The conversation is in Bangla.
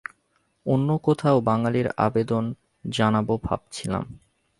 অন্য কোথাও বদলির আবেদন জানাব ভাবছিলাম।